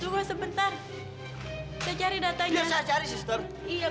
tunggu sebentar sebentar cari cari